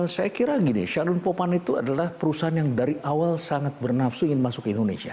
saya kira gini shano popan itu adalah perusahaan yang dari awal sangat bernafsu ingin masuk ke indonesia